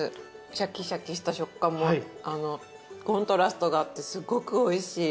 シャキシャキした食感もコントラストがあってすごくおいしい。